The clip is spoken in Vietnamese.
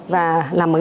và làm bằng